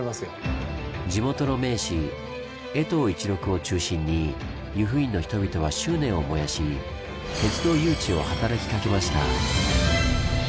地元の名士衛藤一六を中心に由布院の人々は執念を燃やし鉄道誘致を働きかけました。